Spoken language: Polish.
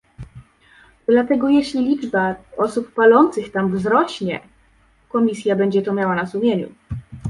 Dlatego jeśli liczba osób palących tam wzrośnie, Komisja będzie to miała na sumieniu